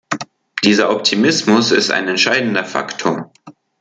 Dieser Optimismus ist ein entscheidender Faktor.